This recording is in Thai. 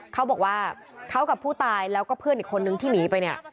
เขาบอกว่าเขากับผู้ตายแล้วก็เพื่อนอีกคนนึงที่หนีไปเนี่ย